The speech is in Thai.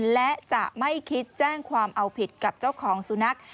และจะไม่คิดแจ้งความเอาผิดกับเจ้าของสุนัข